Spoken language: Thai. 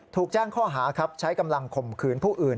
ถูกแจ้งข้อหาครับใช้กำลังข่มขืนผู้อื่น